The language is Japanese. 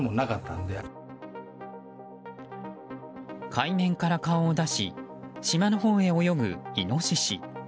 海面から顔を出し島のほうへ泳ぐイノシシ。